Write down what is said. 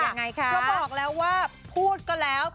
มันบอกแล้วว่าพูดก็แล้ว